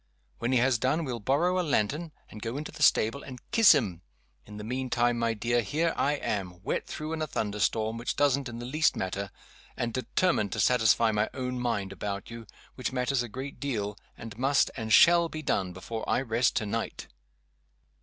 When he has done we'll borrow a lantern, and go into the stable, and kiss him. In the mean time, my dear, here I am wet through in a thunderstorm, which doesn't in the least matter and determined to satisfy my own mind about you, which matters a great deal, and must and shall be done before I rest to night!"